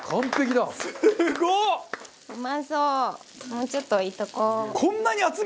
もうちょっと置いとこう。